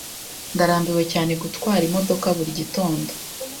Ndarambiwe cyane gutwara imodoka buri gitondo.